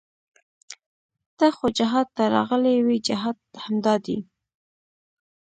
ته خو جهاد ته راغلى وې جهاد همدا دى.